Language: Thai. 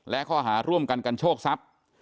และข้อหาร่วมกันกันโชคทรัพย์